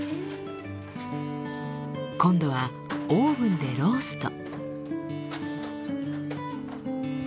今度はオーブンでロースト。